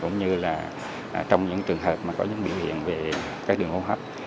cũng như trong những trường hợp có những biểu hiện về các đường hô hấp